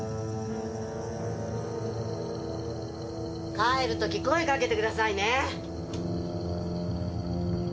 帰る時声かけてくださいね。